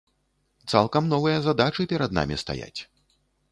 Цалкам новыя задачы перад намі стаяць.